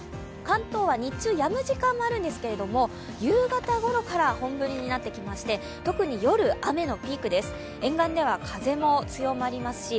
関東は日中やむ時間もあるんですけれども、夕方ごろから本降りになってきまして特に夜、雨のピークです。